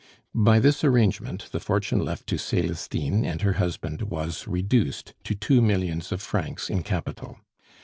By this arrangement the fortune left to Celestine and her husband was reduced to two millions of francs in capital.